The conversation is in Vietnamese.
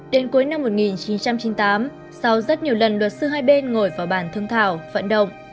đến cuối năm một nghìn chín trăm chín mươi tám sau rất nhiều lần luật sư hai bên ngồi vào bàn thương thảo vận động